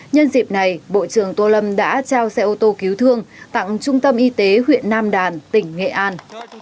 nhân dịp này bộ trưởng tô lâm đã trao xe ô tô cứu thương tặng trung tâm y tế huyện nam đàn tỉnh nghệ an